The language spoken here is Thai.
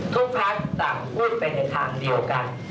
ทุกพักต่างพูดไปในทางเดียวกัน